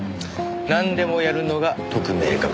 なんでもやるのが特命係。